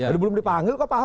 dan belum dipanggil kok apa apa